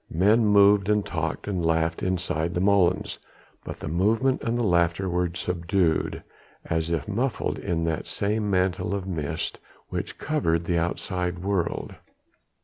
Men moved and talked and laughed inside the molens, but the movement and the laughter were subdued as if muffled in that same mantle of mist which covered the outside world.